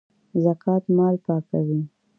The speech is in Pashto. زکات مال پاکوي